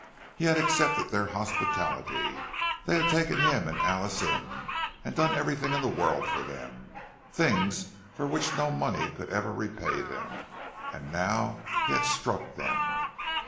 He had accepted their hospitality; they had taken him and Alice in, and done everything in the world for them—things for which no money could ever repay them. And now he had struck them!